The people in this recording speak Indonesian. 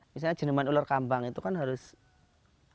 misalnya jeneman ular kambang itu kan lebih gampang